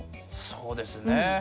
そうですね。